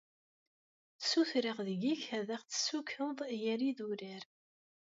Sutureɣ deg-k ad aɣ-tessukeḍ gar yidurar.